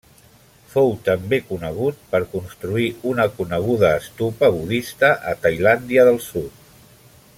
Fou també conegut per construir una coneguda stupa budista a Tailàndia del sud.